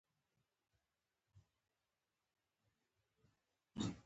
روح د ښځې ځنځیرونو کې تړلی